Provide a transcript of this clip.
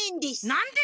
なんで？